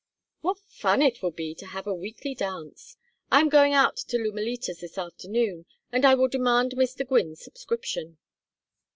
"What fun it will be to have a weekly dance! I am going out to Lumalitas this afternoon, and I will demand Mr. Gwynne's subscription."